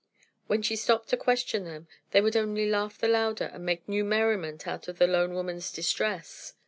When she stopped to question them, they would only laugh the louder and make new merriment out of the lone woman's distress.